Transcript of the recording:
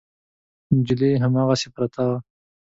نجلۍ هماغسې پرته وه.